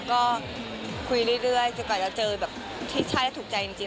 ก็คุยเรื่อยจนกว่าจะเจอแบบที่ใช่ถูกใจจริง